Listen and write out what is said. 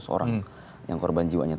seribu dua ratus orang yang korban jiwanya